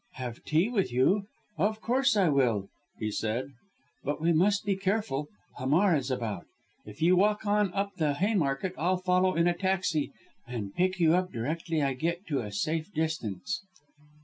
"Have tea with you? Of course I will," he said. "But we must be careful. Hamar is about. If you walk on up the Haymarket, I'll follow in a taxi, and pick you up, directly I get to a safe distance."